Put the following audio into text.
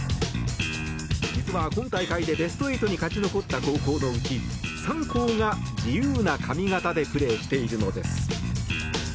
実は今大会でベスト８に勝ち残った高校のうち３校が、自由な髪形でプレーしているのです。